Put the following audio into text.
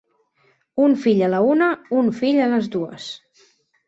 Un fill a la una, un fill a les dues.